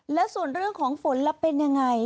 และส่วนเรื่องของฝนแล้วเป็นยังไง